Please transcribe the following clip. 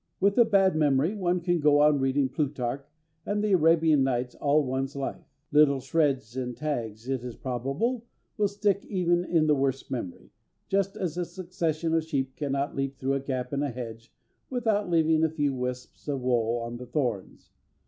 With a bad memory one can go on reading Plutarch and The Arabian Nights all one's life. Little shreds and tags, it is probable, will stick even in the worst memory, just as a succession of sheep cannot leap through a gap in a hedge without leaving a few wisps of wool on the thorns.